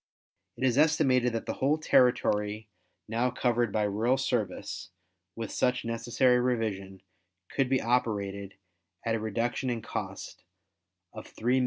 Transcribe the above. It is estimated that the whole territory now covered by rural service, with such necessary revision, could be operated at a reduction in cost of $3,500,000.